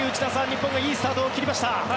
日本がいいスタートを切りました。